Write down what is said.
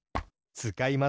つかいます。